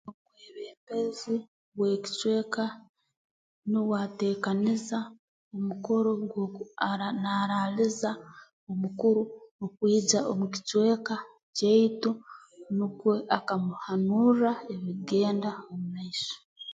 Omwebembezi w'ekicweka nuwe ateekaniza omukoro gw'oku aa naaraaliza omukuru okwija mu kicweka kyaitu nukwo akamuhanurra ebikugenda omu maiso